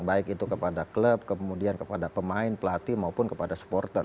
baik itu kepada klub kemudian kepada pemain pelatih maupun kepada supporter